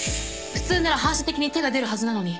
普通なら反射的に手が出るはずなのに。